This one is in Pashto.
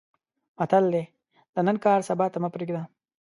متل دی: د نن کار سبا ته مې پرېږده.